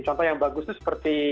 contoh yang bagus itu seperti